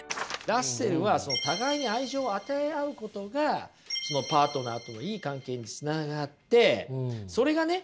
ラッセルは互いに愛情を与え合うことがパートナーとのいい関係につながってそれがね